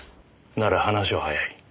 なら話は早い。